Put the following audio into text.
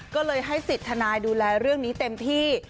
ก็เลยให้สิทธิ์ทนายดูแลเรื่องนี้เต็มที่